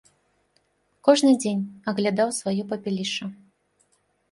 Кожны дзень аглядаў сваё папялішча.